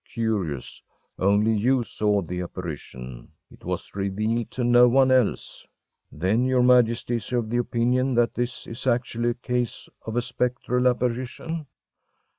Curious only you saw the apparition it was revealed to no one else?‚ÄĚ “Then your Majesty is of the opinion that this is actually a case of a spectral apparition?